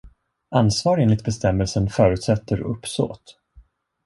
Ansvar enligt bestämmelsen förutsätter uppsåt.